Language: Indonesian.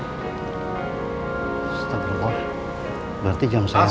astagfirullah berarti jam saya apa